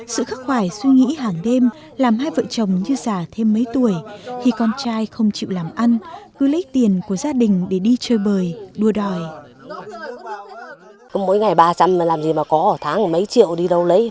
sự khắc khoải suy nghĩ hàng đêm làm hai vợ chồng như già thêm mấy tuổi khi con trai không chịu làm ăn cứ lấy tiền của gia đình để đi chơi bời đua đòi